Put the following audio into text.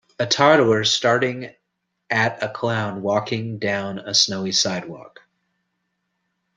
A toddler starting at a clown walking down a snowy sidewalk.